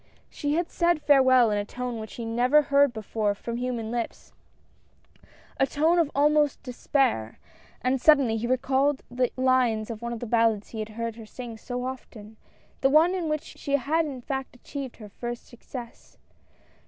She had said farewell in a tone which he had never heard before from human lips — a tone of almost despair — and suddenly he recalled the lines of one of the ballads he had heard her sing so often, the one in which she had in fact achieved her first success.